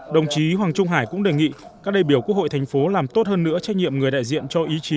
đồng chí hoàng trung hải cũng đề nghị các đại biểu quốc hội thành phố làm tốt hơn nữa trách nhiệm người đại diện cho ý chí